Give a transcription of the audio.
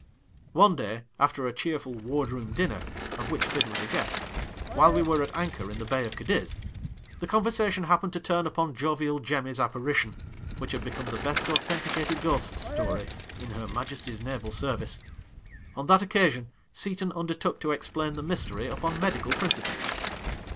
One day, after a cheerful ward room dinner (of which Fid was a guest), while we were at anchor in the bay of Cadiz, the con versation happened to turn upon Jovial Jemmy's apparition, wliich had become the best authenticated ghost story in Her ]\Ia jesty's Naval service. On that occasion Seton undertook to explain the mystery upon medical principles.